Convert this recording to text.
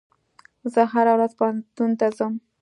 زه هره ورځ پوهنتون ته ځم.